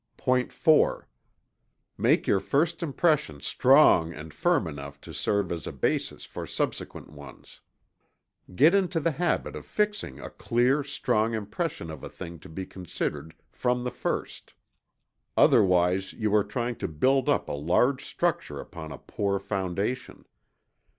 POINT IV. Make your first impression strong and firm enough to serve as a basis for subsequent ones. Get into the habit of fixing a clear, strong impression of a thing to be considered, from the first. Otherwise you are trying to build up a large structure upon a poor foundation.